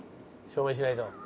証明しないと。